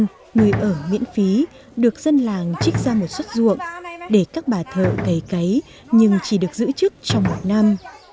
nhưng người ở miễn phí được dân làng trích ra một xuất ruộng để các bà thợ cấy cấy nhưng chỉ được giữ chức trong một năm